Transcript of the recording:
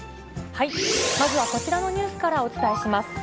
まずはこちらのニュースからお伝えします。